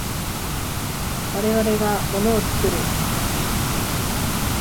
我々が物を作る。